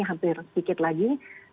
hampir sedikit lagi